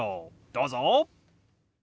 どうぞ！